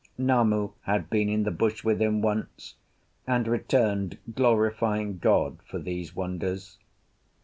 Namu had been in the bush with him once, and returned glorifying God for these wonders.